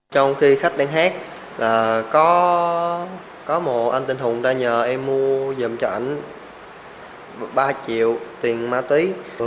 trong khi khách đang hát có một anh tên hùng đã nhờ em mua giùm cho ảnh ba triệu tiền ma túy